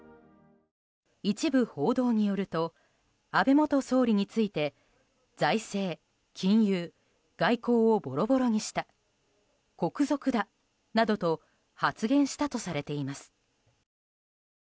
一部報道によると安倍元総理について財政、金融、外交をボロボロにした国賊だなどと発言したとされています。